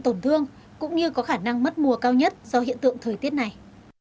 tổn thương cũng như có khả năng mất mùa cao nhất do hiện tượng thời tiết này